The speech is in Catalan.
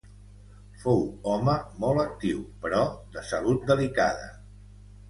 Fou home molt actiu, però de salut delicada.